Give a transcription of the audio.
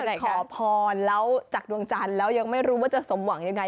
ขอพรแล้วจากดวงจันทร์แล้วยังไม่รู้ว่าจะสมหวังยังไง